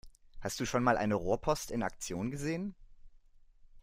Hast du schon mal eine Rohrpost in Aktion gesehen?